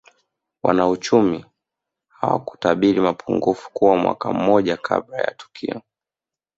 Wanauchumi hawakutabiri mapungufu kwa mwaka mmoja kabla ya tukio